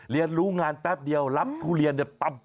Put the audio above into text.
เรียนรู้งานแป๊บเดียวรับทุเรียนเนี่ย